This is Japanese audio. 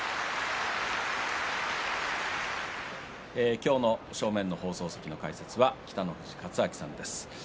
今日の正面の放送席の解説は北の富士勝昭さんです。